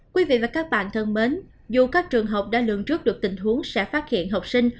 quý vị và các bạn thân mến dù các trường học đã lường trước được tình huống sẽ phát hiện học sinh